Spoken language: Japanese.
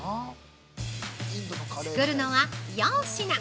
作るのは４品。